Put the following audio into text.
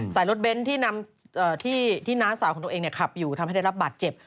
ใส่รถเบนที่นะสาวของตัวเองเนี่ยขับอยู่ทำให้ได้รับบัดเจ็บ